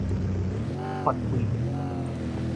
發開